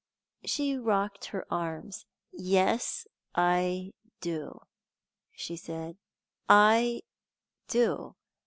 She rocked her arms. "Yes, I do," she said; "I do.